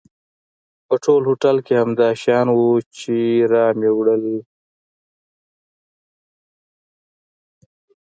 په ټول هوټل کې همدا شیان و چې مې راوړل.